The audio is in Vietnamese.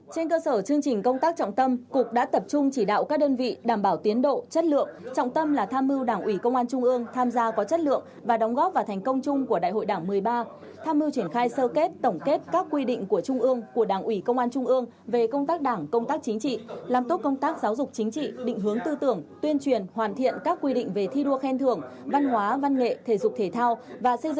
trên cơ sở chương trình công tác trọng tâm cục đã tập trung chỉ đạo các đơn vị đảm bảo tiến độ chất lượng trọng tâm là tham mưu đảng ủy công an trung ương tham gia có chất lượng và đóng góp vào thành công chung của đại hội đảng một mươi ba tham mưu triển khai sơ kết tổng kết các quy định của trung ương của đảng ủy công an trung ương về công tác đảng công tác chính trị làm tốt công tác giáo dục chính trị định hướng tư tưởng tuyên truyền hoàn thiện các quy định về thi đua khen thưởng văn hóa văn nghệ thể dục thể thao và xây d